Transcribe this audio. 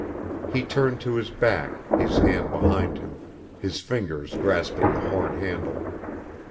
He turned to his back, his hand behind him, his fingers grasping the horn handle.